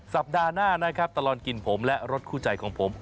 สัปดาห์หน้านะครับตลอดกินผมและรถคู่ใจของผม